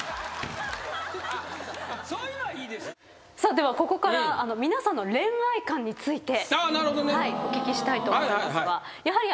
ではここから皆さんの恋愛観についてお聞きしたいと思いますがやはり。